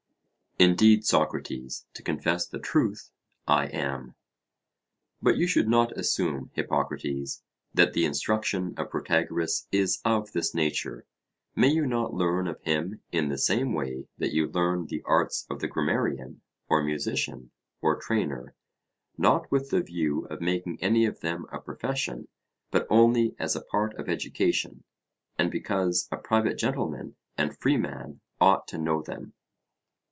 Indeed, Socrates, to confess the truth, I am. But you should not assume, Hippocrates, that the instruction of Protagoras is of this nature: may you not learn of him in the same way that you learned the arts of the grammarian, or musician, or trainer, not with the view of making any of them a profession, but only as a part of education, and because a private gentleman and freeman ought to know them?